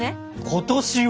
今年は？